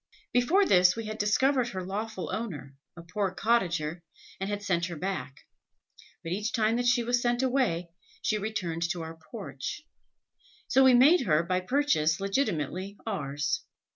Before this we had discovered her lawful owner, a poor cottager, and had sent her back; but each time that she was sent away, she returned to our porch; so we made her by purchase legitimately ours.